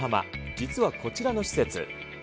実はこちらの施設。